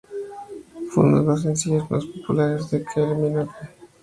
Fue uno de los sencillos menos populares de Kylie Minogue.